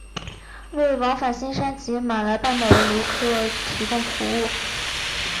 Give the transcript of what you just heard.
为往返新山及马来半岛的旅客提供服务。